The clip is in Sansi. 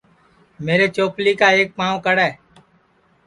میرے چوپلی کا ایک پاو کڑے